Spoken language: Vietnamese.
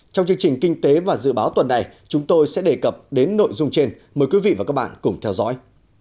trong chương trình kinh tế và dự báo tuần này chúng tôi sẽ đề cập đến nội dung trên mời quý vị và các bạn cùng theo dõi